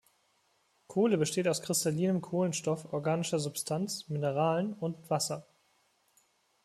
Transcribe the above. Kohle besteht aus kristallinem Kohlenstoff, organischer Substanz, Mineralen und Wasser.